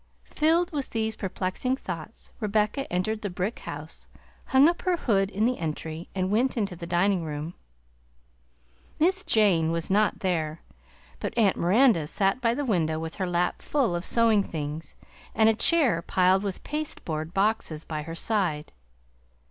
Filled with these perplexing thoughts, Rebecca entered the brick house, hung up her hood in the entry, and went into the dining room. Miss Jane was not there, but Aunt Miranda sat by the window with her lap full of sewing things, and a chair piled with pasteboard boxes by her side.